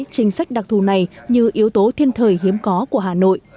chính sách đặc thù này như yếu tố thiên thời hiếm có của hà nội